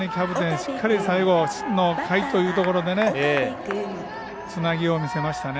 しっかり最後の回というところでつなぎを見せましたね。